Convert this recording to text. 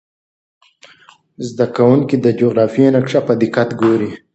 زده کوونکي د جغرافیې نقشه په دقت ګوري.